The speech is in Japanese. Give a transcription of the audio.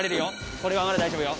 これはまだ大丈夫よ